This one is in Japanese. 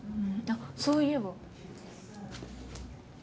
あっそういえば。